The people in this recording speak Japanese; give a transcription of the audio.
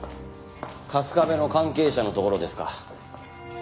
春日部の関係者の所ですか？